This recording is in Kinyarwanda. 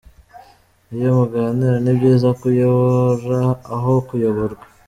Iyo muganira, ni byiza ko uyobora aho kuyoborwa.